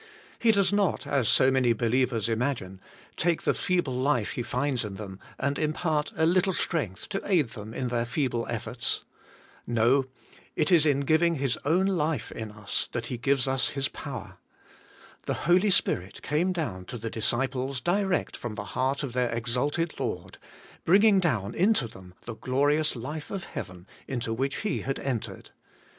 He does not, as so many believers imagine, take the feeble life He finds in them, and impart a little strength to aid them in their feeble efforts. No; it is in giving His own life in us that He gives us His power. The Holy Spirit came down to the disciples direct from the heart of AS YOUR STRENGTH. 2U their exalted Lord, bringing down into them the glorious life of heaven into which He had entered.